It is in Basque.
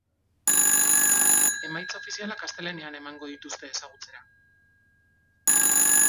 Emaitza ofizialak astelehenean emango dituzte ezagutzera.